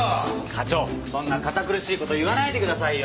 課長そんな堅苦しい事言わないでくださいよ。